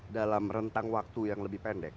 dalam rentang waktu yang lebih pendek